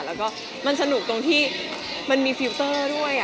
แล้วก็มันสนุกตรงที่มันมีฟิลเตอร์ด้วย